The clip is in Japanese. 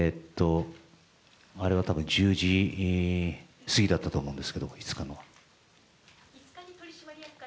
あれはたぶん１０時すぎだったと思うんですけれども、５日の。